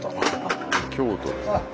京都ですね。